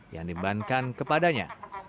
yang dibankan kepadanya